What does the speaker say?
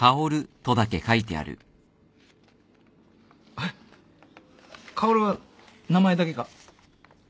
あれ薫は名前だけか？